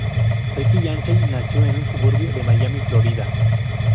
Rick Yancey nació en un suburbio de Miami, Florida.